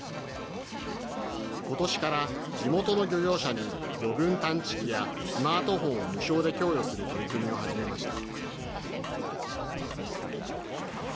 今年から地元の漁業者に魚群探知機やスマートフォンを無償で供与する取り組みを始めました。